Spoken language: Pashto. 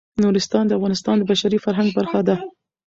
نورستان د افغانستان د بشري فرهنګ برخه ده.